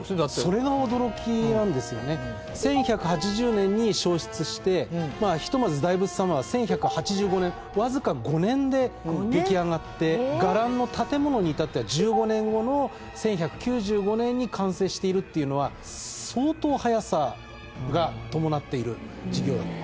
１１８０年に焼失してひとまず大仏様は１１８５年わずか５年で出来上がって伽藍の建物に至っては１５年後の１１９５年に完成しているっていうのは相当早さが伴っている事業だと。